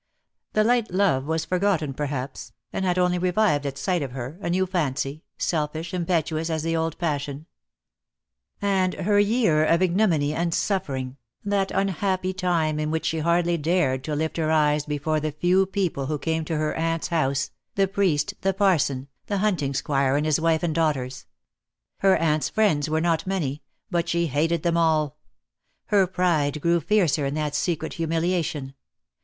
The light love was forgotten perhaps, and had only revived at sight of her, a new fancy, selfish, impetuous, as the old passion. And her year of ignominy and suffering, that Dead Lcvp ha^ Chains. • 5 226 DEAD LOVE HAS CHAINS, unhappy time in which she hardly dared to Uft her eyes before the few people who came to her aunt's house, the priest, the parson, the hunting squire and his wife and daughters. Her aunt's friends were not many; but she hated them all. Her pride grew fiercer in that secret humiliation.